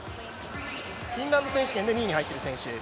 フィンランド選手権で２位に入っている選手。